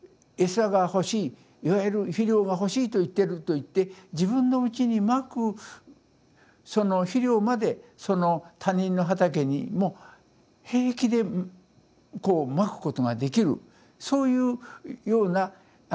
餌が欲しいいわゆる肥料が欲しいと言ってるといって自分のうちにまくその肥料まで他人の畑にも平気でまくことができるそういうような